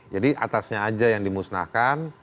jadi atasnya aja yang dimusnahkan